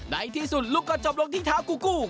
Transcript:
ในที่สุดลุกกระจกลงที่เท้ากูกู้